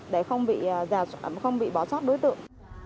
để không bị bỏ sát đối tượng